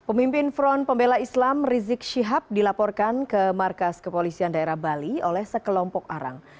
pemimpin front pembela islam rizik syihab dilaporkan ke markas kepolisian daerah bali oleh sekelompok arang